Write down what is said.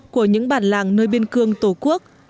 của những bản làng nơi biên cương tổ quốc